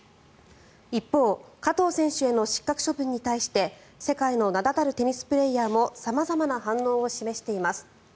一方、加藤選手への失格処分に対して世界の名立たるテニスプレーヤーも様々な反応を示しています。